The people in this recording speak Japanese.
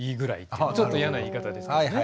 ちょっとやな言い方ですけどね。